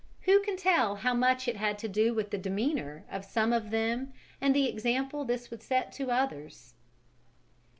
Who can tell how much it had to do with the demeanour of some of them and the example this would set to others?